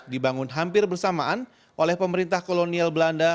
dibangun hampir bersamaan oleh pemerintah kolonial belanda